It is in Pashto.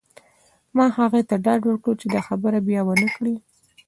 ما هغې ته ډاډ ورکړ چې دا خبره بیا ونه کړې